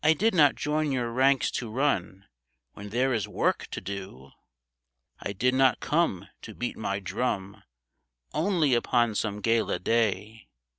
1 did not join your ranks to run When there is work to do !"' I did not come to beat my drum Only upon some gala day.'